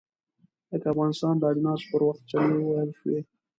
لکه افغانستان د اجناسو پر وخت چنې ووهل شي.